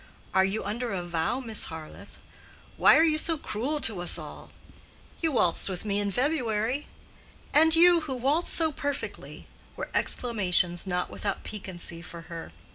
"Are you under a vow, Miss Harleth?"—"Why are you so cruel to us all?"—"You waltzed with me in February."—"And you who waltz so perfectly!" were exclamations not without piquancy for her.